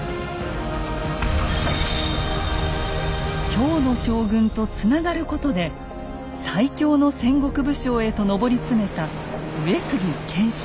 京の将軍とつながることで最強の戦国武将へと上り詰めた上杉謙信。